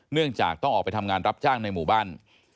เนื่องจากต้องออกไปทำงานรับจ้างในหมู่บ้าน